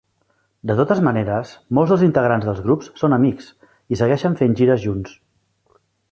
De totes maneres, molts dels integrants dels grups són amics i segueixen fent gires junts.